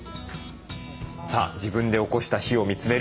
さあ自分でおこした火を見つめる今井さん。